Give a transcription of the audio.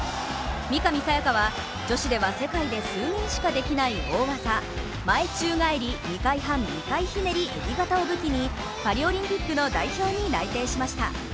三上紗也可は女子では世界で数名しかできない大技、前宙返り２回半２回ひねりえび型を武器にパリオリンピックの代表に内定しました。